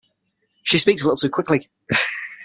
She speaks a little too quickly.